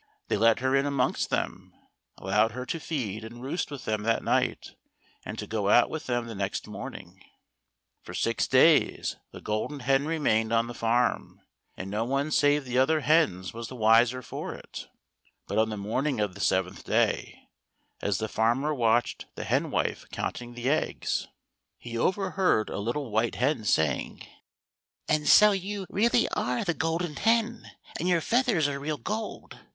They let her in amongst them, allowed her to feed and roost with them that night, and to go out with them the next morning. For six days the Golden Hen remained on the farm, and no one save the other hens was the wiser for it ; but on the morning of the seventh day, as the farmer watched the henwife counting the eggs, he overheard SZ THE GOLDEN HEN. a little white hen saying: "And so you really are the Golden Hen, and your feathers are real gold.